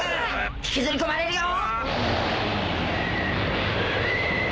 引きずり込まれるよ！